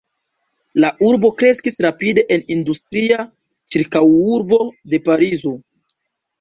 La urbo kreskis rapide en industria ĉirkaŭurbo de Parizo.